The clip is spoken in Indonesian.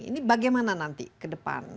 ini bagaimana nanti ke depan